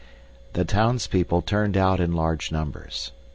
The townspeople turned out in large numbers.